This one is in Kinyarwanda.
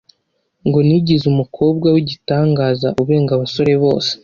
ngo nigize umukobwa w’igitangaza ubenga abasore bose.